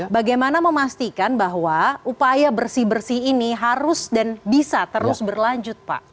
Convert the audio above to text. bagaimana memastikan bahwa upaya bersih bersih ini harus dan bisa terus berlanjut pak